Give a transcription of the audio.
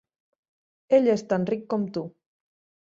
Ell és tan ric com tu.